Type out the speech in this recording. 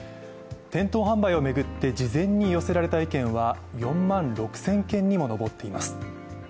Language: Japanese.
店頭販売を巡って事前に寄せられた意見は４万６０００件にも上っています。